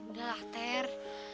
udah lah ter